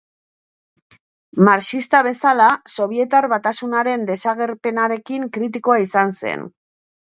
Marxista bezala, Sobietar Batasunaren desagerpenarekin kritikoa izan zen.